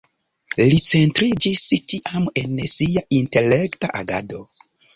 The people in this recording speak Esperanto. Li centriĝis tiam en sia intelekta agado.